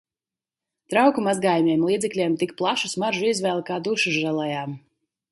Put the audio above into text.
Trauku mazgājamajiem līdzekļiem tik plaša smaržu izvēle kā dušas želejām.